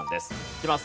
いきます。